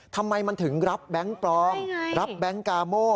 ทำไมมันถึงรับแบงค์ปลอมรับแบงค์กาโม่